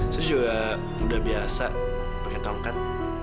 saya juga udah biasa pakai tongkat